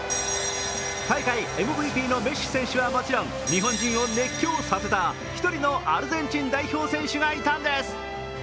大会ＭＶＰのメッシ選手はもちろん日本人を熱狂させた一人のアルゼンチン代表選手がいたんです。